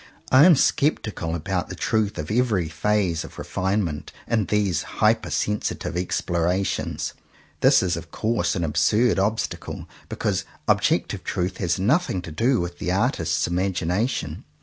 I am sceptical about the truth of every phase of refinement in these hyper sensitive explorations. This is of course an absurd obstacle, because ob jective truth has nothing to do with the artist's imagination.